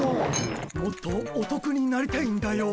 もっとおとくになりたいんだよ。